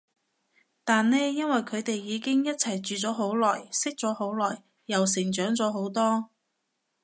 但呢因為佢哋已經一齊住咗好耐，識咗好耐，又成長咗好多